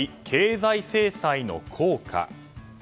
経済制裁の効果。